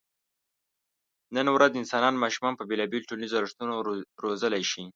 نن ورځ انسانان ماشومان په بېلابېلو ټولنیزو ارزښتونو روزلی شي.